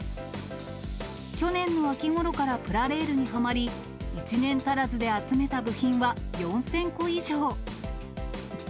去年の秋ごろからプラレールにはまり、１年足らずで集めた部品は４０００個以上。